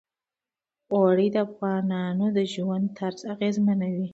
اوړي د افغانانو د ژوند طرز اغېزمنوي.